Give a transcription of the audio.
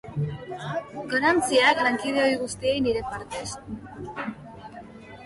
Goraintziak lankide ohi guztiei nire partez.